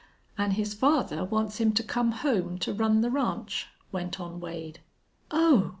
"An' his father wants him to come home to run the ranch," went on Wade. "Oh!"